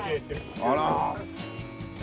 あら。